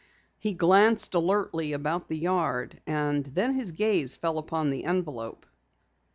He glanced alertly about the yard, and then his gaze fell upon the envelope.